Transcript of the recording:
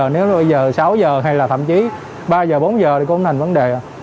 nên bây giờ sáu h hay là thậm chí ba h bốn h thì cũng không thành vấn đề